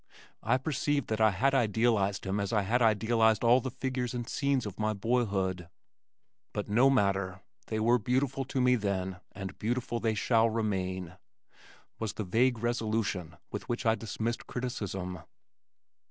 I perceived that I had idealized him as I had idealized all the figures and scenes of my boyhood "but no matter, they were beautiful to me then and beautiful they shall remain," was the vague resolution with which I dismissed criticism.